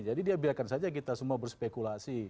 jadi dia biarkan saja kita semua berspekulasi